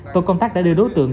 tổ công tác đã đưa đối tượng